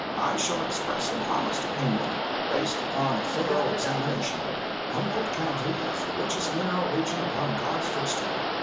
I shall express an honest opinion, based upon a thorough examination. Humboldt county is the richest mineral region upon God's footstool.